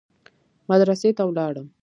مدرسې ته ولاړم.